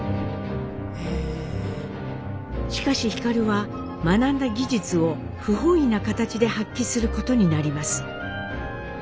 しかし皓は学んだ技術を不本意な形で発揮することになります。